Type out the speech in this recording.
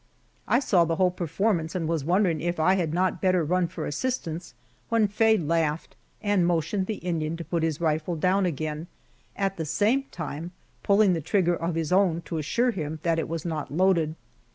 I saw the whole performance and was wondering if I had not better run for assistance, when Faye laughed, and motioned the Indian to put his rifle down again, at the same time pulling the trigger of his own to assure him that it was not loaded.